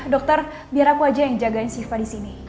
dokter biar aku aja yang jagain siva disini